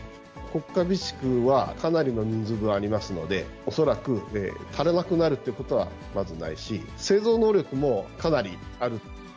国家備蓄はかなりの人数分ありますので、恐らく足らなくなるということはまずないし、製造能力もかなりある。